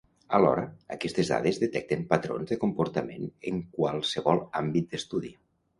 Alhora, aquestes dades detecten patrons de comportament en qualsevol àmbit d’estudi.